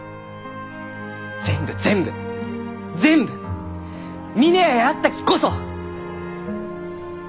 全部全部全部峰屋やったきこそ！